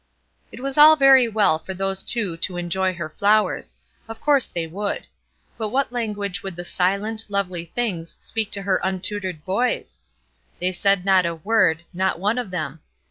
It was all very well for those two to enjoy her flowers; of course they would. But what language would the silent, lovely things speak to her untutored boys? They said not a word; not one of them.